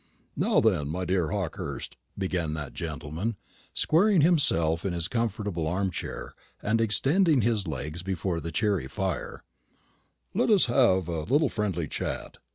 "Now then, my dear Hawkehurst," began that gentleman, squaring himself in his comfortable arm chair, and extending his legs before the cheery fire, "let us have a little friendly chat.